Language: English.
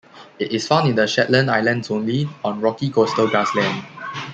It is found in the Shetland Islands only, on rocky coastal grassland.